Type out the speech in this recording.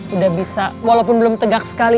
udah bisa walaupun belum tegak sekali